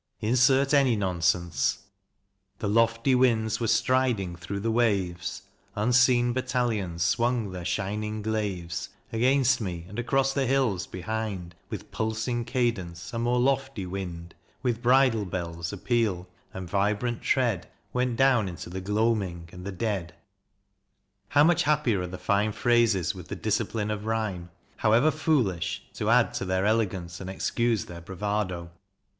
Insert any nonsense: The lofty winds were striding through the waves : Unseen battalions swung their shining glaives Against me, and across the hills behind With pulsing cadence a more lofty wind With bridle bells apeal and vibrant tread Went down into the gloaming and the dead. How much happier are the fine phrases with the discipline of rhyme, however foolish, to add to their elegance and excuse their bravado!